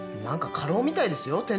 何か過労みたいですよ。